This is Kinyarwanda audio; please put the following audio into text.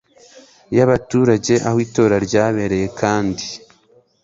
y abaturage aho itora ryabereye kandi